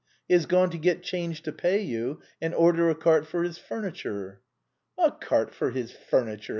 He has gone to get change to pay you^ and order a cart for his furniture." " A cart for his furniture